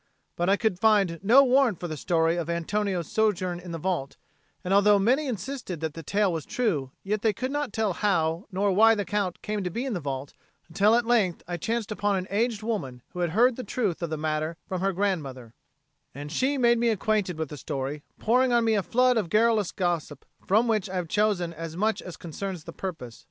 But I could find no warrant for the story of Antonio's sojourn in the vault, and although many insisted that the tale was true, yet they could not tell how nor why the Count came to be in the vault; until at length I chanced on an aged woman who had heard the truth of the matter from her grandmother, and she made me acquainted with the story, pouring on me a flood of garrulous gossip, from which I have chosen as much as concerns the purpose.